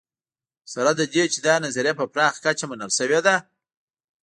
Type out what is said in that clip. سره له دې چې دا نظریه په پراخه کچه منل شوې ده